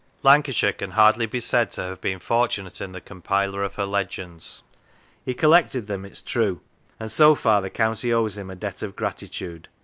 Lancashire can hardly be said to have been fortunate 104 The War of Religion in the compiler of her legends. He collected them, it is true, and so far the county owes him a debt of gratitude.